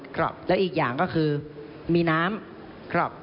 แล้วอีกอย่างก็คือมีน้ำกรอบ